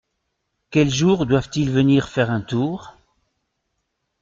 Quel jour doivent-ils venir faire un tour ?